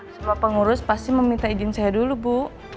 semua pengurus pasti meminta izin saya dulu bu